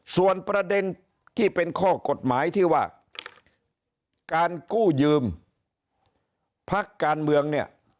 ส่วนประเด็นที่เป็นข้อกฎหมายที่ว่าการกู้ยืมพักการเมืองเนี่ย